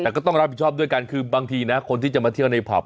แต่ก็ต้องรับผิดชอบด้วยกันคือบางทีนะคนที่จะมาเที่ยวในผับ